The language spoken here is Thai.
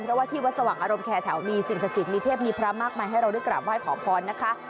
เพราะว่าที่วัดสว่างอารมณ์แคร์แถวมีสิ่งศักดิ์สิทธิ์มีเทพมีพระมากมายให้เราได้กราบไห้ขอพรนะคะ